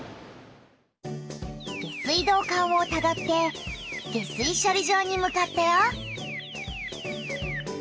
下水道管をたどって下水しょり場にむかったよ。